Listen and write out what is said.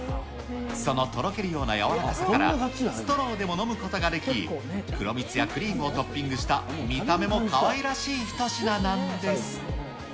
そのとろけるような柔らかさから、ストローでも飲むことができ、黒蜜やクリームをトッピングした見た目もかわいらしい一品なんです。